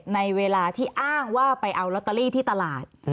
ในเวลาที่อ้างว่าไปเอาลอตเตอรี่ที่ตลาด